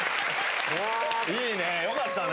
いいねえ、よかったね。